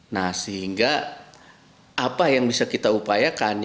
nah sehingga apa yang bisa kita upayakan